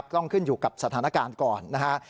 ต้องขึ้นอยู่กับสถานการณ์ก่อนนะฮะ